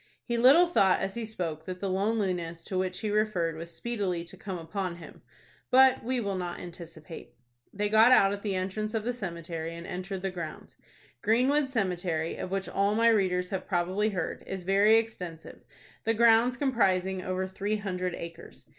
He little thought as he spoke that the loneliness to which he referred was speedily to come upon him. But we will not anticipate. They got out at the entrance of the cemetery, and entered the grounds. Greenwood Cemetery, of which all my readers have probably heard, is very extensive, the grounds comprising over three hundred acres.